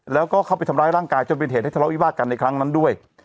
แล้วก็เข้าไปทำร้ายร่างกายจนเป็นเหตุให้ทะเลาะวิวาสกันในครั้งนั้นด้วย